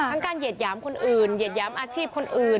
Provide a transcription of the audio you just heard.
การเหยียดหยามคนอื่นเหยียดหยามอาชีพคนอื่น